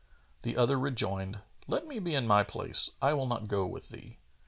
The other rejoined, "Let me be in my place: I will not go with thee."